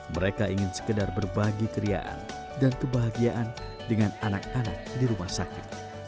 mereka ingin sekedar berbagi keriaan dan kebahagiaan dengan anak anak di rumah sakit